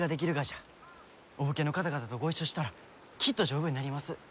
お武家の方々とご一緒したらきっと丈夫になります。